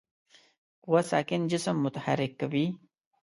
قوه ساکن جسم متحرک کوي.